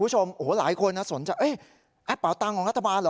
หลายคนสนใจเอ๊ะเปาตังค์ของรัฐบาลเหรอ